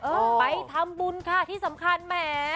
ไปทำบุญค่ะที่สำคัญแหม